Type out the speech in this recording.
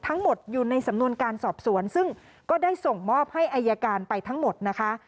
ทั้งหมดอยู่ในสำนวนการสอบสวนซึ่งก็ได้ส่งมอบให้อายการไปทั้งหมดนะคะ